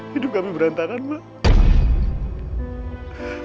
hidup kami berantakan mbak